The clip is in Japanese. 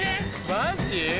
マジ？